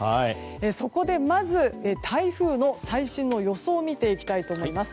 そこで、まず台風の最新の予想を見ていきたいと思います。